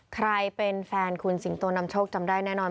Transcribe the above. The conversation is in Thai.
ใครเป็นแฟนคุณสิงโตนำโชคจำได้แน่นอน